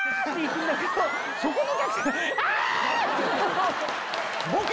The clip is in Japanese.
そこのお客さん。